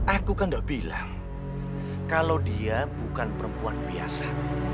aku kan gak bilang kalau dia bukan perempuan biasa